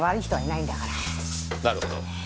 なるほど。